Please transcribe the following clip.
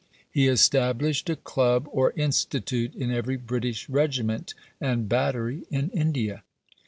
He established a club or institute in every British regiment and battery in India.